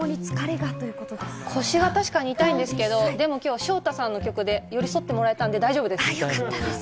腰が確かに痛いんですけど、今日ＳＨＯＴＡさんの曲で寄り添ってもらえたので大丈夫です。